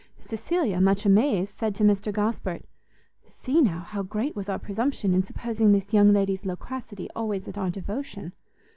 Cecilia, much amazed, said to Mr Gosport, "See now how great was our presumption in supposing this young lady's loquacity always at our devotion!"